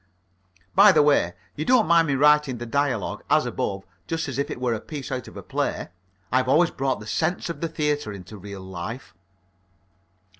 (By the way, you don't mind me writing the dialogue, as above, just as if it were a piece out of a play? I've always brought the sense of the theatre into real life.)